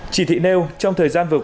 chỉ thị nêu trong thời gian vừa qua